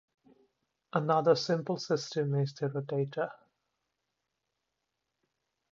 Another simple system is the rotator.